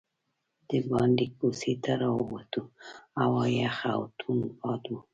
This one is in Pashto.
دباندې کوڅې ته راووتو، هوا یخه او توند باد و.